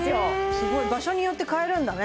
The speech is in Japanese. すごい場所によってかえるんだね